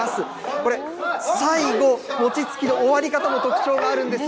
これ、最後、餅つきの終わり方も特徴があるんです。